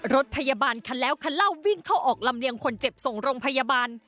รถพยาบาลคันแล้วคันเล่าวิ่งเข้าออกลำเลียงคนเจ็บส่งโรงพยาบาล